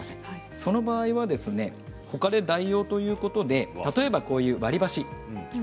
その場合、ほかで代用ということで例えば割り箸。